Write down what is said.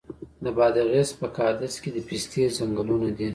د بادغیس په قادس کې د پستې ځنګلونه دي.